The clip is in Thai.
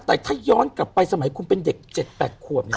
แต่ถ้าย้อนกลับไปสมัยคุณเป็นเด็ก๗๘ขวบเนี่ย